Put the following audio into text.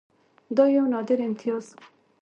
دا یو نادر امتیاز وو.